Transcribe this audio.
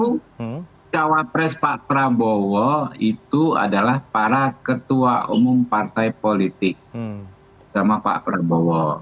ya maka itu cawa press pak prabowo itu adalah para ketua umum partai politik sama pak prabowo